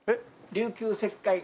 琉球石灰岩。